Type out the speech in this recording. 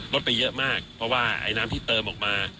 ดไปเยอะมากเพราะว่าไอ้น้ำที่เติมออกมา